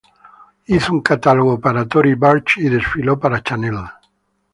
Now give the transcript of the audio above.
Hizo un catálogo para Tory Burch y desfiló para Chanel.